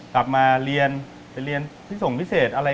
กลับมาเรียนไปเรียนที่ส่งพิเศษอะไร